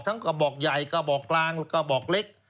กระบอกใหญ่กระบอกกลางกระบอกเล็ก